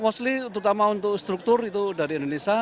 mostly terutama untuk struktur itu dari indonesia